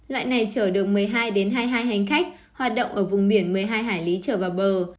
loại này chở được một mươi hai hai mươi hai hành khách hoạt động ở vùng biển một mươi hai hải lý trở vào bờ